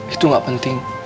itu gak penting